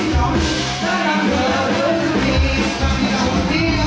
ทุกที่ว่าใช่ไหม